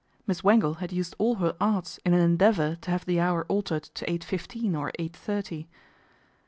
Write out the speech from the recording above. Miss Wangle had used all her arts in an endeavour to have the hour altered to eight fifteen, or eight thirty.